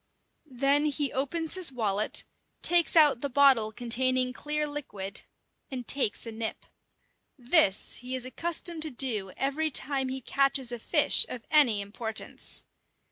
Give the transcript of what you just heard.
Then he opens his wallet, takes out the bottle containing clear liquid, and takes a nip. This he is accustomed to do every time he catches a fish of any importance.